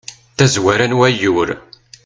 tazwara n wayyur